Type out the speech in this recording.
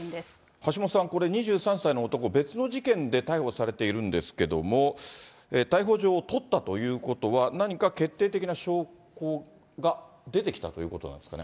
橋下さん、これ２３歳の男、別の事件で逮捕されているんですけども、逮捕状を取ったということは、何か決定的な証拠が出てきたということなんですかね？